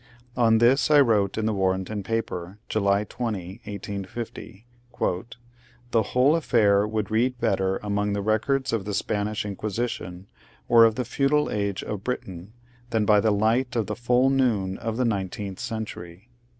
On this I wrote in the Warrenton paper, July 20, 1860 :" The whole affair would read better among the records of the Spanish Inquisition, or of the feudal age of Britain, than by the light of the full noon of the nineteenth century."